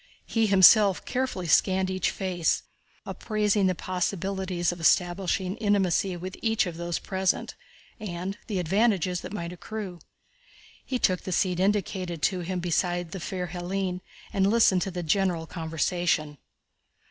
He himself carefully scanned each face, appraising the possibilities of establishing intimacy with each of those present, and the advantages that might accrue. He took the seat indicated to him beside the fair Hélène and listened to the general conversation.